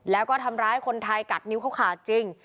แล้วก็ทำร้ายคนไทยกัดนิ้วเขาขาดจริง